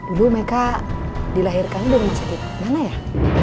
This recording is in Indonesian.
dulu mereka dilahirkannya di rumah sakit mana yah